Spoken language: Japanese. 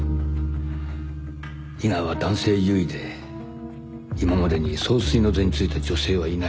伊賀は男性優位で今までに総帥の座に就いた女性はいない